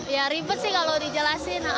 ya ribet sih kalau dijelasin